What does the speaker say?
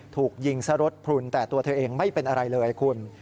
ถูกยิงซะรถพลุนแต่ตัวเธอเองไม่เป็นอะไรเลยคุณ